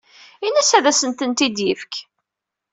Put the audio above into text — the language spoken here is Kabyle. Ini-as ad asent-tent-id-yefk.